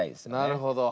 なるほど。